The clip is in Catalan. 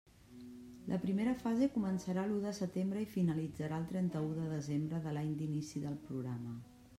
La primera fase començarà l'u de setembre i finalitzarà el trenta-u de desembre de l'any d'inici del programa.